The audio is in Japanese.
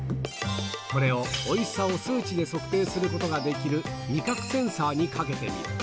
これをおいしさを数値で測定することができる味覚センサーにかけてみる。